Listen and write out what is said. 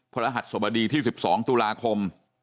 รหัสสบดีที่๑๒ตุลาคม